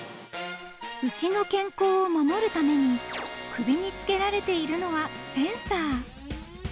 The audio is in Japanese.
［牛の健康を守るために首につけられているのは］